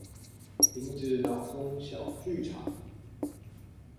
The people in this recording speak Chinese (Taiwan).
停止腦中小劇場